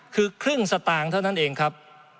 คือครึ่งสตางค์เท่านั้นเองครับ